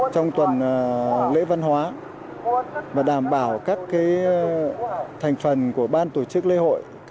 trong tuần lễ văn hóa và đảm bảo các thành phần của ban tổ chức lễ hội